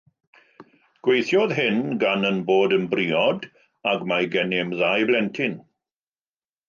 Gweithiodd hyn, gan ein bod yn briod ac mae gennym ddau blentyn.